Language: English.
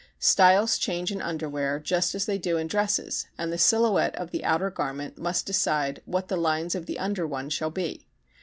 Styles change in underwear just as they do in dresses and the silhouette of the outer garment must decide what the lines of the under one shall be.